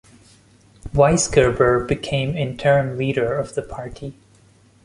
Weisgerber became interim leader of the party.